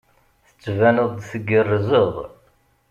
Tettbaneḍ-d tgerrzeḍ.